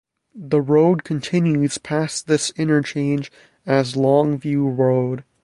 The road continues past this interchange as Longview Road.